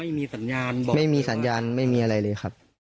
ไม่มีสัญญาณบอกไม่มีสัญญาณไม่มีอะไรเลยครับ